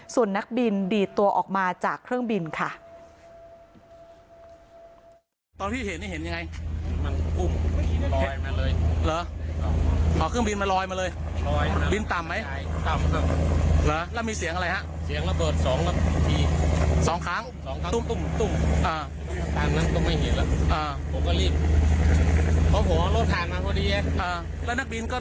ส่วนนักบินดีดตัวออกมาจากเครื่องบินค่ะ